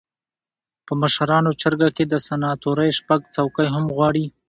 په مشرانو جرګه کې د سناتورۍ شپږ څوکۍ هم غواړي.